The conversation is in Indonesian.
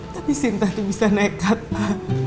tapi sinta tuh bisa naik kata